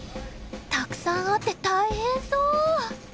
たくさんあって大変そう！